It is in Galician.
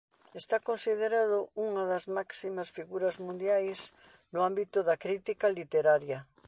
Está considerado unha das máximas figuras mundiais no ámbito da crítica literaria.